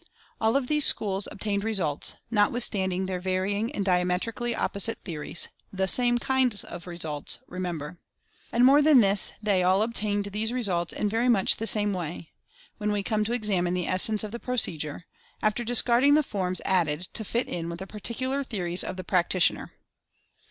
All of these schools obtained results, notwithstanding their vary ing and diametrically opposite theories — the same kind of results, remember. And more than this they all ob tained these results in very much the same way, when we come to examine the essence of the procedure, after discarding the forms added to fit in with the particular theories of the practitioner.